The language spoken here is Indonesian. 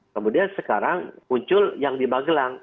kemudian sekarang muncul yang di magelang